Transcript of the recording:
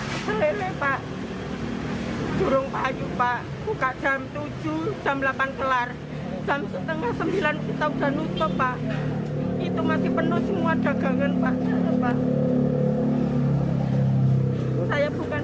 dalam razia ini petugas juga menyegel sebuah watak dan kafe yang dekat mengabaikan aturan ppkn